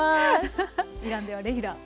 イランではレギュラー。